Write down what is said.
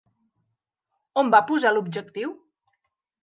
On va posar l'objectiu?